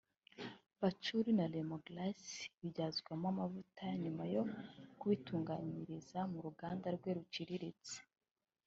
“patchouli” na “lemongrass” bibyazwamo amavuta nyuma yo kubituganyiriza mu ruganda rwe ruciriritse